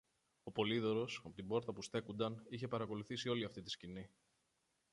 Ο Πολύδωρος, από την πόρτα όπου στέκουνταν, είχε παρακολουθήσει όλη αυτή τη σκηνή